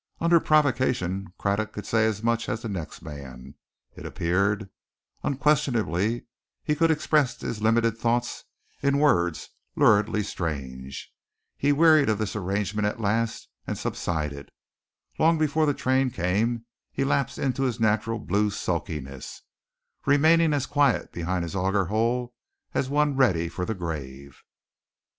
Under provocation Craddock could say as much as the next man, it appeared. Unquestionably, he could express his limited thoughts in words luridly strange. He wearied of this arraignment at last, and subsided. Long before the train came he lapsed into his natural blue sulkiness, remaining as quiet behind his auger hole as one ready for the grave.